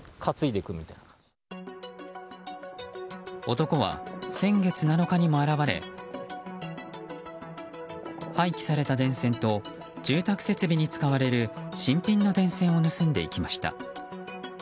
男は先月７日にも現れ廃棄された電線と住宅設備に使われる新品の電線を盗んでいきました。